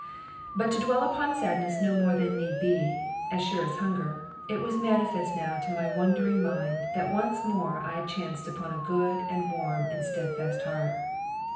But to dwell upon sadness no more than need be (a need as sure as hunger), it was manifest now to my wondering mind that once more I had chanced upon a good, and warm, and steadfast heart.